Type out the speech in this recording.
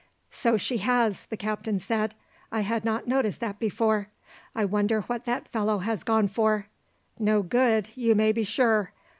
"So she has," the captain said. "I had not noticed that before. I wonder what that fellow has gone for? No good, you may be sure.